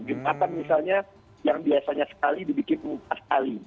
jumatan misalnya yang biasanya sekali dibikin empat kali